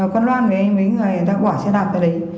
quan loan với mấy người người ta bỏ xe đạp ra đấy